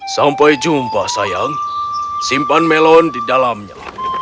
sampai jumpa sayang simpan melon di dalamnya